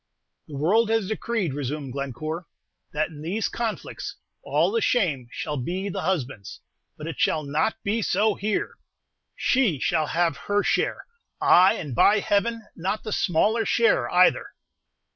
"The world has decreed," resumed Glencore, "that in these conflicts all the shame shall be the husband's; but it shall not be so here! She shall have her share, ay, and, by Heaven, not the smaller share either!"